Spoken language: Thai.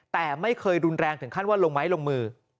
แต่ไม่เคยรุนแรงถึงขั้นว่าลงไม้ลงมือ